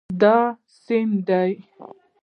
دا سیند دی